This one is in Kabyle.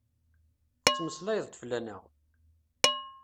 Tettmeslayeḍ fell-aneɣ?